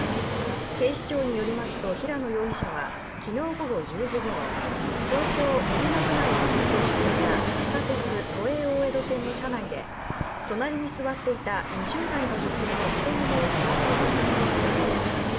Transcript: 警視庁によりますと平野容疑者は昨日午後１０時ごろ、東京・練馬区内を走行していた地下鉄・都営大江戸線の車内で隣に座っていた２０代の女性の太ももを触った疑いが持たれています。